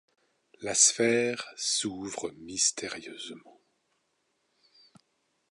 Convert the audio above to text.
La sphère s'ouvre mystérieusement.